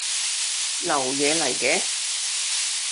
流嘢嚟嘅